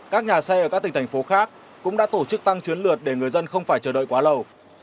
các nhà xe ở các tỉnh thành phố khác cũng đã tổ chức tăng chuyến lượt để người dân không phải chờ đợi quá lâu